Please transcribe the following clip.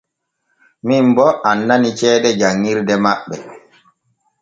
Min bo annani ceede jan ŋirde maɓɓe.